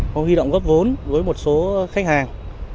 huy động góp vốn với một số khách hàng